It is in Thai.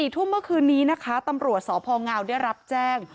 ทุ่มเมื่อคืนนี้นะคะตำรวจสพงได้รับแจ้ง